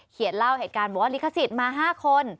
เล่าเหตุการณ์บอกว่าลิขสิทธิ์มา๕คน